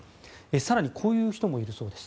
更に、こういう人もいるそうです。